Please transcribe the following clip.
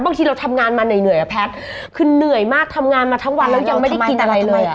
บางทีเราทำงานมาเหนื่อยอะแพทย์คือเหนื่อยมากทำงานมาทั้งวันแล้วยังไม่ได้กินอะไรเลยอ่ะ